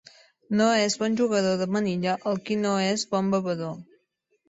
No és bon jugador de manilla el qui no és bon bevedor.